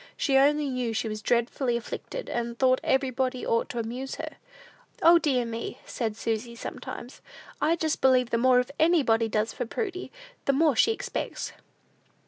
She only knew she was dreadfully afflicted, and thought everybody ought to amuse her. "O, dear me!" said Susy, sometimes, "I just believe the more anybody does for Prudy, the more she expects."